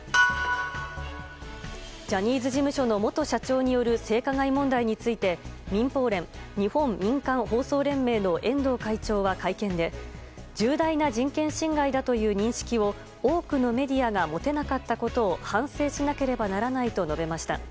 ジャニーズ事務所の元社長による性加害問題について民放連・日本民間放送連盟の遠藤会長は会見で重大な人権侵害だという認識を多くのメディアが持てなかったことを反省しなければならないと述べました。